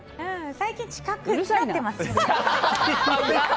最近、近くなってますね。